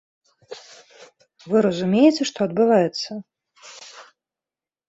Вы разумееце, што адбываецца?